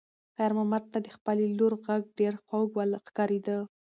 خیر محمد ته د خپلې لور غږ ډېر خوږ ښکارېده.